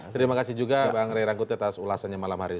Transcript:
terima kasih juga pak angg rey ranggutnya atas ulasannya malam hari ini